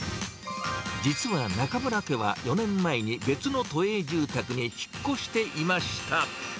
実は中邑家は、４年前に別の都営住宅に引っ越していました。